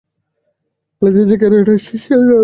খালেদা জিয়ার কেন এটা চাই, সেটা আমজনতা বুঝতে পারবে না?